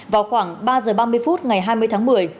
vào khoảng ba giờ ba mươi phút ngày hai mươi tháng một mươi